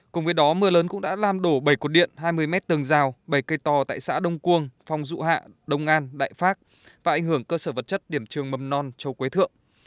cùng với đó mưa lớn cũng đã làm đổ bảy cột điện hai mươi mét tường rào bảy cây to tại xã đông quương phong dụ hạ đông an đại pháp và ảnh hưởng cơ sở vật chất điểm trường mầm non châu quế thượng